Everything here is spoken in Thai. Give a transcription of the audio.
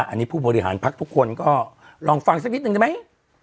อันนี้ผู้บริหารพักทุกคนก็ลองฟังสักนิดนึงได้ไหม